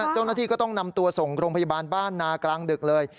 เจ้าหน้าที่ก็ต้องนำตัวส่งโรงพยาบาลบ้านนากลางดึกเลย